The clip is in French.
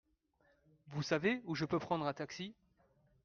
Vous savez où je peux prendre un taxi ?